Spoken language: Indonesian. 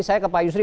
saya ke pak yusri